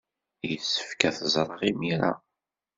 Yessefk ad t-ẓreɣ imir-a.